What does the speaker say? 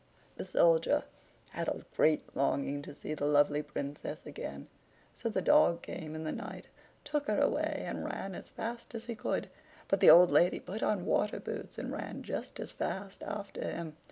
The Soldier had a great longing to see the lovely Princess again; so the dog came in the night, took her away, and ran as fast as he could. But the old lady put on water boots, and ran just as fast after him.